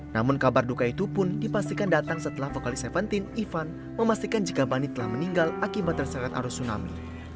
namun kabar duka itu pun dipastikan datang setelah vokalis tujuh belas ivan memastikan jika bani telah meninggal akibat terseret arus tsunami